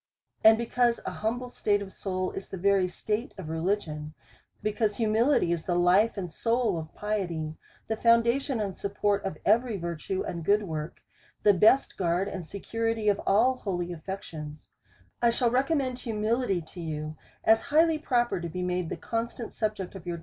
And because an humble state of soul is the very state of religion, because humility is the life and soul of piety, the foundation and support of every virtue and good work, the best guard and security of all holy affections; 1 shall reconunend humihty to you, as higlily proper to be made the constant subject of your DEVOUT AND HOLY LIFE.